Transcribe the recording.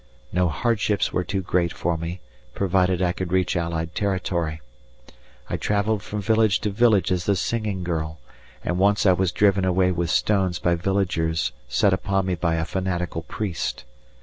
No hardships were too great for me, provided I could reach Allied territory. I travelled from village to village as a singing girl, and once I was driven away with stones by villagers set upon me by a fanatical priest.